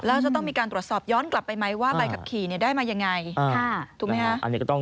แล้วจะต้องมีการตรวจสอบย้อนกลับไปไหมว่าใบขับขี่ได้มายังไงถูกไหมฮะ